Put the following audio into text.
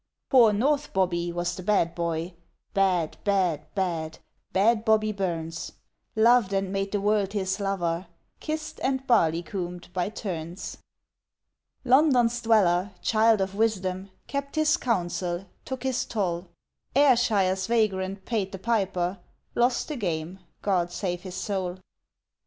Poor North Bobbie was the bad boy, Bad, bad, bad, bad Bobbie Burns! Loved and made the world his lover, Kissed and barleycomed by turns. London's dweller, child of wisdom, Kept his counsel, took his toll; Ayrshire's vagrant paid the piper, Lost the game God save his soul!